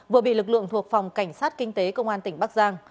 vừa bị lực lượng thuộc phòng cảnh sát kinh tế công an tỉnh bắc giang